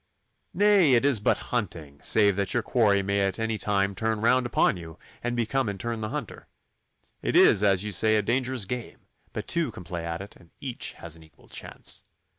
'Nay! it is but hunting, save that your quarry may at any time turn round upon you, and become in turn the hunter. It is, as you say, a dangerous game, but two can play at it, and each has an equal chance.